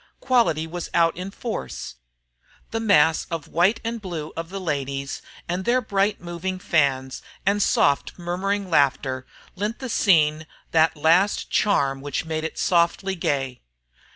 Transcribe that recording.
Quality was out in force today. The mass of white and blue of the ladies, and their bright moving fans and soft murmuring laughter lent the scene that last charm which made it softly gay.